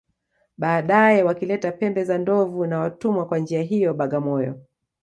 Baadae wakileta pembe za ndovu na watumwa Kwa njia hiyo Bagamoyo